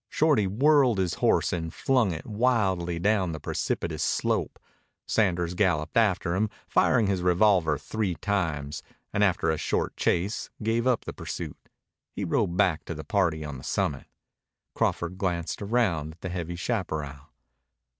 Shorty whirled his horse and flung it wildly down the precipitous slope. Sanders galloped after him, fired his revolver three times, and after a short chase gave up the pursuit. He rode back to the party on the summit. Crawford glanced around at the heavy chaparral.